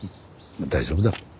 大丈夫だ。